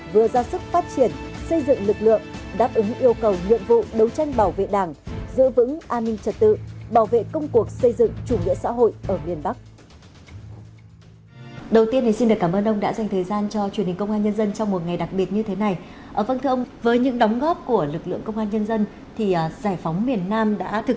vừa ra sức phát triển xây dựng lực lượng đáp ứng yêu cầu nhuận vụ đấu tranh bảo vệ đảng giữ vững an ninh trật tự bảo vệ công cuộc xây dựng chủ nghĩa xã hội ở miền bắc